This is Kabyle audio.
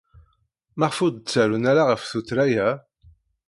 Maɣef ur d-ttarran ara ɣef tuttra-a?